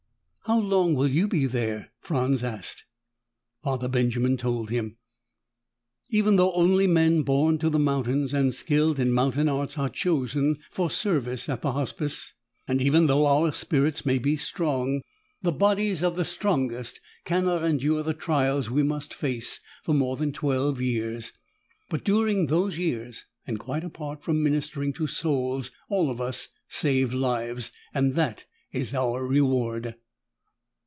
"How long will you be there?" Franz asked. Father Benjamin told him, "Even though only men born to the mountains and skilled in mountain arts are chosen for service at the Hospice, and even though our spirits may be strong, the bodies of the strongest cannot endure the trials we must face for more than twelve years. But during those years, and quite apart from ministering to souls, all of us save lives. That is our reward."